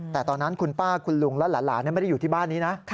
แต่ตอนนั้นคุณป้าคุณลุงและหลานไม่ได้อยู่ที่บ้านนี้นะ